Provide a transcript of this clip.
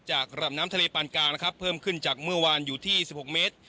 ระดับน้ำทะเลปานกลางนะครับเพิ่มขึ้นจากเมื่อวานอยู่ที่๑๖เมตร